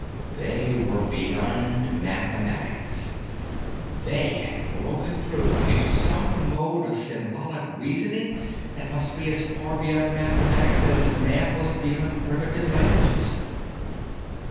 They were beyond mathematics! They had broken through into some mode of symbolic reasoning that must be as far beyond mathematics as math was beyond primitive languages!